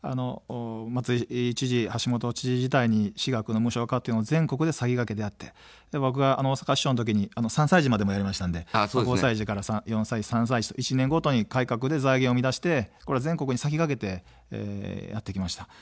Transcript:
松井知事、橋下知事時代に私学の無償化というのを全国で先駆けてやって僕が大阪市長の時に３歳児までやりましたので、５歳児から４歳児、３歳児と１年ごとに改革で財源を生み出して全国に先駆けてやってきました。